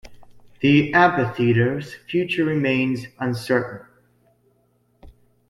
The amphitheatre's future remains uncertain.